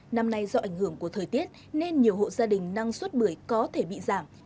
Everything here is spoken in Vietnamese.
năm nay do ảnh hưởng của thời tiết nên nhiều hộ gia đình năng suất bưởi có thể bị giảm